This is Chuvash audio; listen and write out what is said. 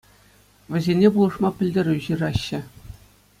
Вӗсене пулӑшма пӗлтерӳ ҫыраҫҫӗ.